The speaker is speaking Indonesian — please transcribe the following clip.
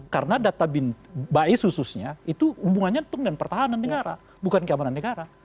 karena data bim bais khususnya itu hubungannya tentang pertahanan negara bukan keamanan negara